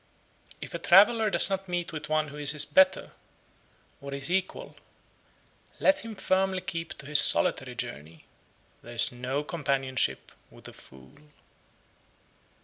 61. If a traveller does not meet with one who is his better, or his equal, let him firmly keep to his solitary journey; there is no companionship with a fool.